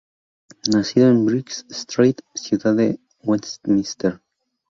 Nacido en Bridge Street, ciudad de Westminster.